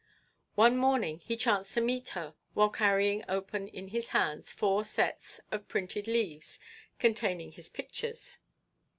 One morning he chanced to meet her while carrying open in his hands four sets of printed leaves containing his pictures.